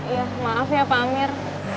ya maaf ya pak amir